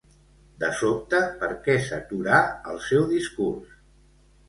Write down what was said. De sobte, per què s'aturà el seu discurs?